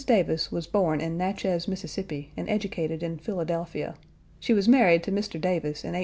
Davis was born in Natchez, Mississippi, and educated in Philadelphia. She was married to Mr. Davis in 1845.